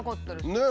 ねえ。